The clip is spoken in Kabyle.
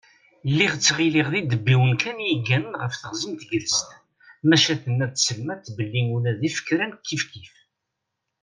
Lliɣ ttɣilliɣ d idebbiwen kan i yegganen ɣef teɣzi n tegrest, maca tenna-d tselmat belli ula d ifekran kifkif.